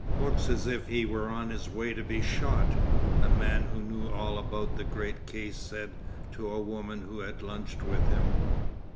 "Looks as if he were on his way to be shot," a man who knew all about the great case said to a woman who had lunched with him.